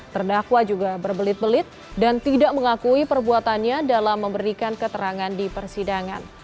terdakwa juga berbelit belit dan tidak mengakui perbuatannya dalam memberikan keterangan di persidangan